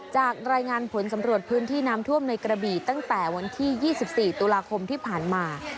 จากรายงานผลสำรวจพื้นที่น้ำท่วมในกระบี่ตั้งแต่วันที่๒๔ตุลาคมที่ผ่านมา